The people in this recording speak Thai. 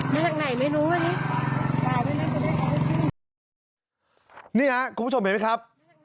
นี่ครับคุณผู้ชมเห็นไหมครับ